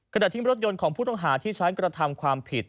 ขณะที่รถยนต์ของผู้ต้องหาที่ใช้กระทำความผิด